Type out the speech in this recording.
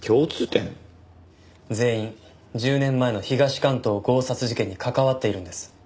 全員１０年前の東関東強殺事件に関わっているんです。